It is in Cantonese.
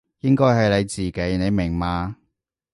應該係你自己，你明嘛？